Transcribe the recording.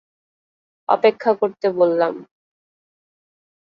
অপেক্ষা করতে বললাম।